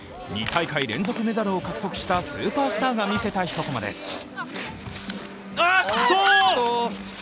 ２大会連続メダルを獲得したスーパースターが見せた一こまです。